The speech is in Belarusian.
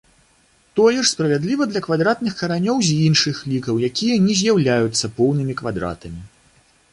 Тое ж справядліва для квадратных каранёў з іншых лікаў, якія не з'яўляюцца поўнымі квадратамі.